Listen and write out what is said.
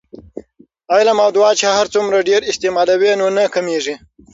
علم او دعاء چې هرڅومره ډیر استعمالوې نو نه کمېږي